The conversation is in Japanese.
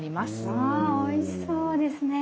あおいしそうですね。